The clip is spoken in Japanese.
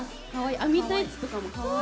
網タイツとかもかわいい。